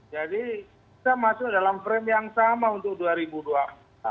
jadi kita masuk dalam frame yang sama untuk dua ribu dua puluh empat